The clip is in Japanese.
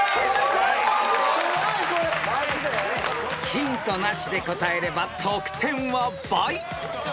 ［ヒントなしで答えれば得点は倍］